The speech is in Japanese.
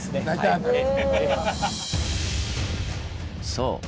そう。